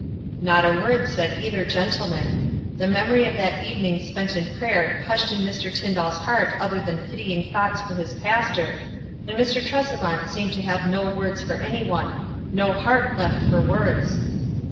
Not a word said either gentleman. The memory of that evening spent in prayer hushed in Mr. Tyndall's heart other than pity ing thoughts for his pastor, and Mr. Tresevant seemed to have no words for any one — no heart left for words.